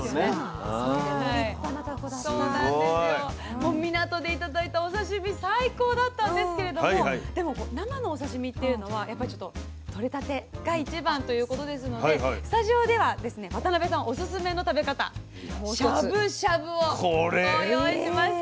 もう港で頂いたお刺身最高だったんですけれどもでも生のお刺身っていうのはとれたてが一番ということですのでスタジオではですね渡辺さんオススメの食べ方しゃぶしゃぶをご用意しました。